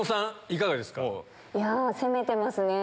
いや攻めてますね。